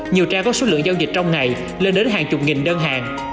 nhiều trang có số lượng giao dịch trong ngày lên đến hàng chục nghìn đơn hàng